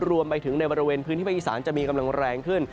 รวมไปถึงในบริเวณพื้นที่ภาคอีสานจะมีกำลังแรงขึ้น